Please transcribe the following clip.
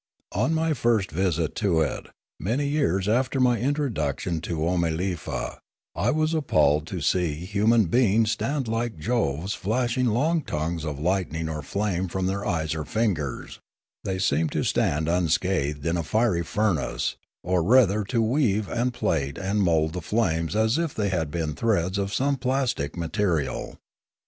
On my first visit to it, many years after my introduction to Oomalefa, I was appalled to see human beings stand like Joves flashing long tongues of light i42 Limanora ning or flaine from their eyes or fingers; they seemed to stand unscathed in a fiery furnace, or rather to weave and plait and mould the flames as if they had been threads of some plastic material.